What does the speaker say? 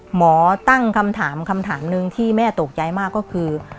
หมอตั้งคำถามคำถามหนึ่งที่แม่ตกใจมากก็คือ